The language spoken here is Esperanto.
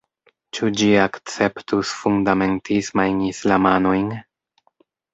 Ĉu ĝi akceptus fundamentismajn islamanojn?